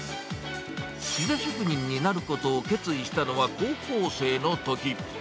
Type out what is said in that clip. ピザ職人になることを決意したのは高校生のとき。